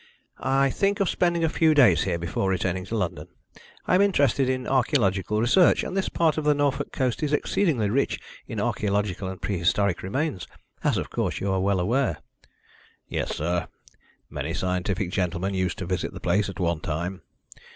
"I think of spending a few days here before returning to London. I am interested in archæological research, and this part of the Norfolk coast is exceedingly rich in archæological and prehistoric remains, as, of course, you are well aware." "Yes, sir. Many scientific gentlemen used to visit the place at one time.